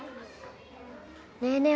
ねえねえ